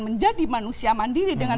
menjadi manusia mandiri dengan